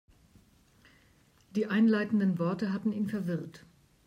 Die einleitenden Worte hatten ihn verwirrt.